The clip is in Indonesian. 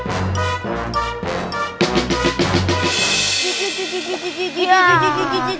tidak ada keliatan